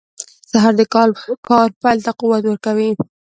سهار د کار پیل ته قوت ورکوي.